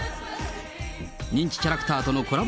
人気キャラクターとのコラボ